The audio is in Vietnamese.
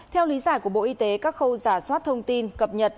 theo lý giải của bộ y tế các khâu giả soát thông tin cập nhật